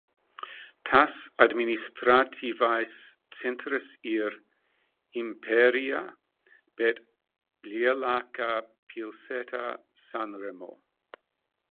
Tās administratīvais centrs ir Impērija, bet lielākā pilsēta – Sanremo.